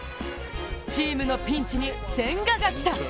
チームのピンチに千賀が来た。